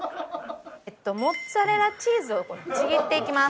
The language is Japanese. モッツァレラチーズをちぎっていきます。